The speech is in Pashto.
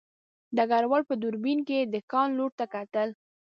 ډګروال په دوربین کې د کان لور ته کتل